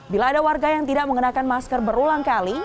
bila ada warga yang tidak mengenakan masker berulang kali